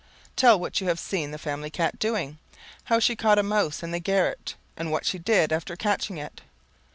Tell what you have seen the family cat doing, how she caught a mouse in the garret and what she did after catching it.